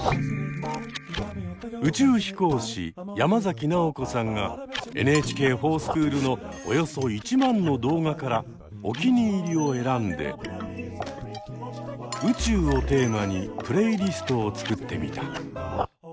宇宙飛行士山崎直子さんが「ＮＨＫｆｏｒＳｃｈｏｏｌ」のおよそ１万の動画からおきにいりを選んで「宇宙」をテーマにプレイリストを作ってみた。